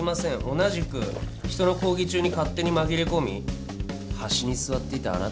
同じく人の講義中に勝手に紛れ込み端に座っていたあなたにもね。